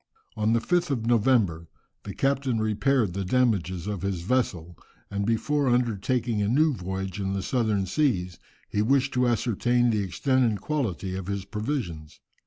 On the 5th of November the captain repaired the damages of his vessel, and before undertaking a new voyage in the southern seas, he wished to ascertain the extent and quality of his provisions.